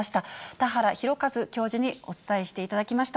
田原弘一教授にお伝えしていただきました。